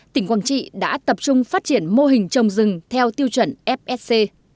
tỉnh quảng trị đã tập trung phát triển mô hình trồng rừng theo tiêu chuẩn fsc